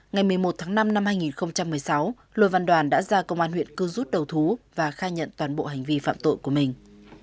ngày một mươi một tháng năm năm hai nghìn một mươi sáu lô văn đoàn đã ra công an huyện cư rút đầu thú và khai nhận toàn bộ hành vi phạm tội của mình